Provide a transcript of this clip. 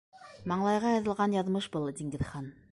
Маңлайға яҙылған яҙмыш был, Диңгеҙхан.